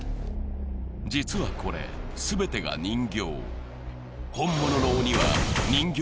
実はこれ、全てが人形。